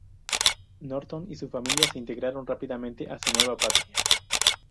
Norton y su familia se integraron rápidamente a su nueva patria.